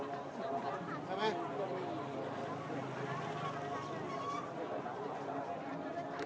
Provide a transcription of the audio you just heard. เมื่อเวลาอันดับสุดท้ายมันกลายเป็นอันดับสุดท้าย